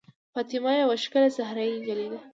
فاطمه یوه ښکلې صحرايي نجلۍ ده.